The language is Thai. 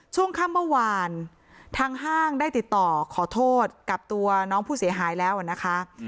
ช่วงค่ำเมื่อวานทางห้างได้ติดต่อขอโทษกับตัวน้องผู้เสียหายแล้วนะคะ